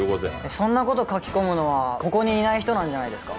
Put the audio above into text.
そんな事書き込むのはここにいない人なんじゃないですか？